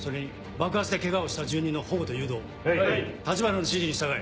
橘の指示に従え。